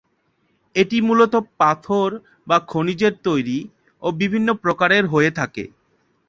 এটি মূলত পাথর বা খনিজের তৈরি ও বিভিন্ন প্রকারের হয়ে থাকে।